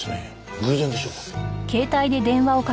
偶然でしょうか？